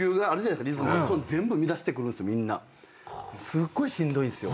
すっごいしんどいんすよ。